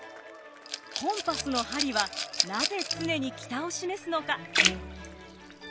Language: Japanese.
コンパスの針はなぜ常に北を示すのか？